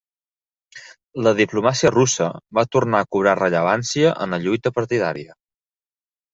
La diplomàcia russa va tornar a cobrar rellevància en la lluita partidària.